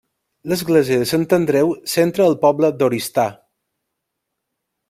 L'església de Sant Andreu centra el poble d'Oristà.